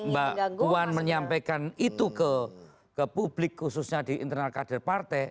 mbak puan menyampaikan itu ke publik khususnya di internal kader partai